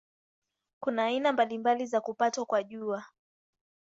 Kuna aina mbalimbali za kupatwa kwa Jua.